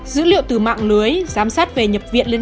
dữ liệu từ mạng lưới giám sát về nhập viện